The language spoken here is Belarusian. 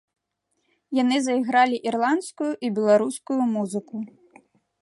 Яны зайгралі ірландскую і беларускую музыку.